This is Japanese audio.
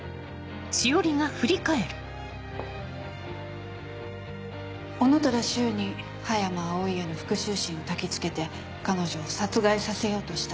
男虎柊に葉山葵への復讐心をたきつけて彼女を殺害させようとした。